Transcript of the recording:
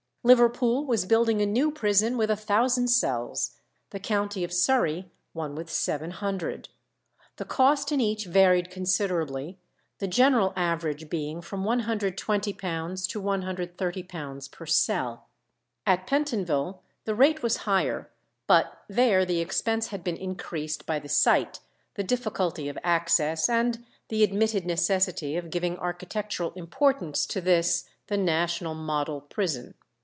Liverpool was building a new prison with a thousand cells, the county of Surrey one with seven hundred. The cost in each varied considerably, the general average being from £120 to £130 per cell. At Pentonville the rate was higher, but there the expense had been increased by the site, the difficulty of access, and the admitted necessity of giving architectural importance to this the national model prison.